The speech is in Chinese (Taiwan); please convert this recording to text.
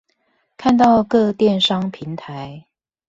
看到各電商平台